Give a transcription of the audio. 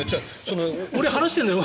俺、話してるんだよ